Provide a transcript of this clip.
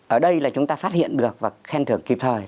ở đây là chúng ta phát hiện được và khen thưởng kịp thời